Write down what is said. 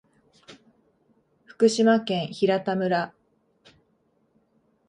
福島県平田村